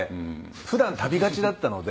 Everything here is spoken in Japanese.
普段旅がちだったので。